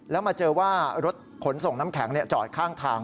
แล้วมาเจอว่ารถขนส่งน้ำแข็งจอดข้างทาง